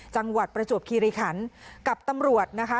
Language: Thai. จังหวัดประจวบคีรขันฯและตำรวจนะคะ